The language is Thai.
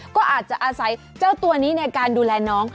ก็อาจจะอาศัยเจ้าตัวนี้ในการดูแลน้อง